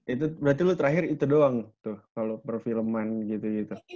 itu berarti lu terakhir itu doang tuh kalau perfilman gitu gitu